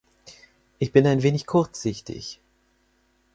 Ich bin ein wenig kurzsichtig.